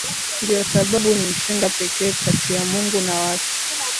ndiyo sababu ni mshenga pekee kati ya Mungu na watu